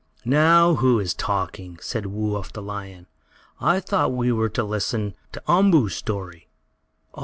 "Now who is talking?" asked Woo Uff, the lion. "I thought we were to listen to Umboo's story."